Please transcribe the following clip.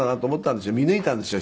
見抜いたんですよ